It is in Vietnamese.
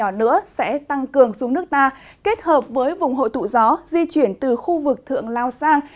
mùa sóng lạnh nhỏ sẽ tăng cường xuống nước ta kết hợp với vùng hội tụ gió di chuyển từ khu vực thượng lao sang